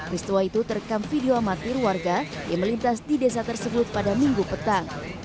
ristua itu terekam video amatir warga yang melintas di desa tersebut pada minggu petang